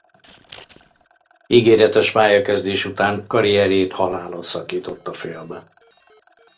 Ígéretes pályakezdés után karrierjét halála szakította félbe.